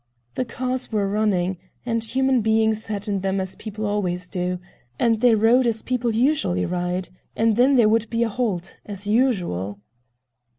The cars were running, and human beings sat in them as people always do, and they rode as people usually ride; and then there would be a halt, as usual.